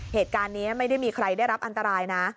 เหตุการณ์นี้ไม่ได้มีใครได้รับอันตรายนะ